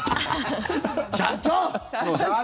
社長！